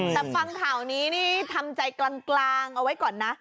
แต่ฟังข่าวนี้นี่ทำใจกลางเอาไว้ก่อนนะ